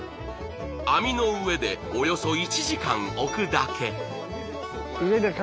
網の上でおよそ１時間置くだけ。